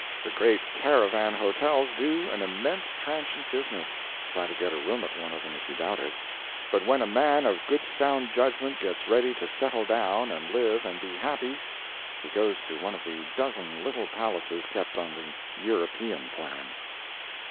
The great caravan hotels do an immense transient business (try to get a room at one of them if you doubt it,) but when a man of good sound judgment gets ready to settle down and live and be happy, he goes to one of the dozen little palaces kept on the European plan.